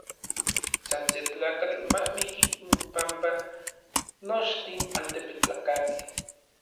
San se tlakatl ma miki inpampa nochtin altepetlakamej.